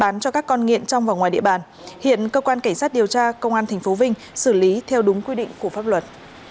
ngoài địa bàn hiện cơ quan cảnh sát điều tra công an tp vinh xử lý theo đúng quy định của pháp luật